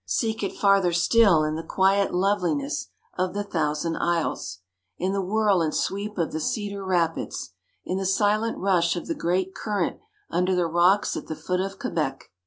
Seek it farther still in the quiet loveliness of the Thousand Isles, in the whirl and sweep of the Cedar Rapids, in the silent rush of the great current under the rocks at the foot of Quebec.